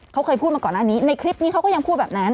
เขาเคยพูดมาก่อนหน้านี้ในคลิปนี้เขาก็ยังพูดแบบนั้น